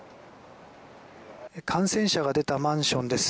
感染者が出たマンションです。